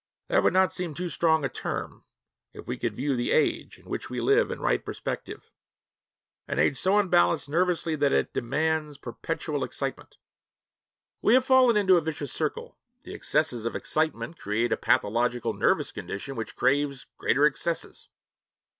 That would not seem too strong a term if we could view the age in which we live in right perspective an age so unbalanced nervously that it demands perpetual excitement. We have fallen into a vicious circle: the excesses of excitement create a pathological nervous condition which craves greater excesses.